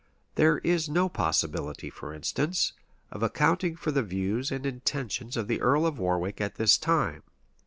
There is no possibility, for instance, of accounting for the views and intentions of the earl of Warwick at this time.